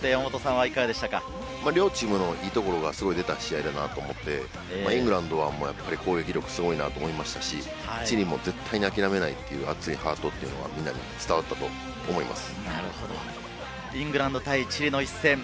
両チームのいいところが、すごい出た試合だなと思って、イングランドは攻撃力すごいなと思いましたし、チリも絶対に諦めないという熱いハートがみんなに伝わったと思います。